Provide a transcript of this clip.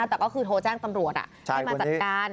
แต่ก็คือโทรแจ้งตำรวจให้มาจัดการ